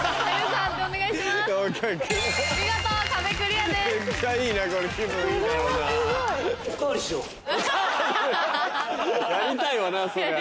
やりたいわなそりゃ。